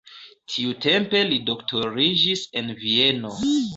Tiutempe li doktoriĝis en Vieno.